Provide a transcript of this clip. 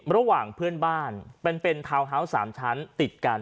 ระหว่างเพื่อนบ้านเป็นทาวน์ฮาวส์๓ชั้นติดกัน